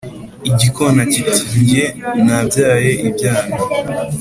igikona kiti: “nge nabyaye ibyana